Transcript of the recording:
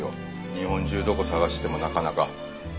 日本中どこ探してもなかなか。